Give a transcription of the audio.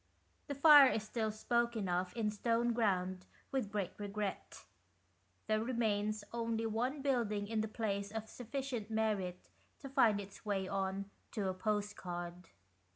The fire is still spoken of in Stoneground with great regret. There remains only one building in the place of sufficient merit to find its way on to a postcard.